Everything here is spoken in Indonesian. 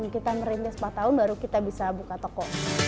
kita merintis empat tahun baru kita bisa buka toko